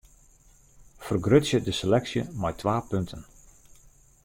Fergrutsje de seleksje mei twa punten.